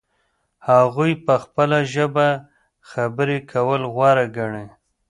هغوی په خپله ژبه خبرې کول غوره ګڼي.